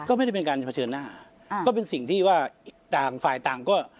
ก็ไม่ได้เป็นการจะเผชิญหน้าก็เป็นสิ่งที่ว่าต่างฝ่ายต่างก็